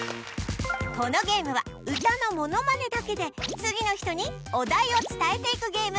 このゲームは歌のものまねだけで次の人にお題を伝えていくゲーム